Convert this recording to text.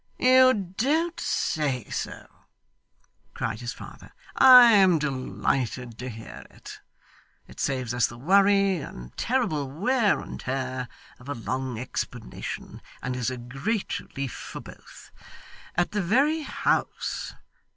'You don't say so!' cried his father. 'I am delighted to hear it. It saves us the worry, and terrible wear and tear of a long explanation, and is a great relief for both. At the very house!